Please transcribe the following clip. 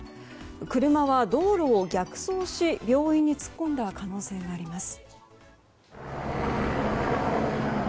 車は道路を逆走し、病院に突っ込んだ可能性があります。